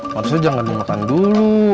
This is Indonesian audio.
maksudnya jangan dimakan dulu